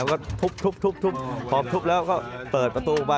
ก็ทุบพอทุบแล้วก็เปิดประตูออกมา